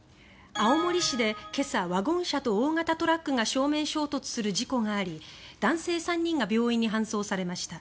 青森市で今朝、ワゴン車と大型トラックが正面衝突する事故があり、男性３人が病院に搬送されました。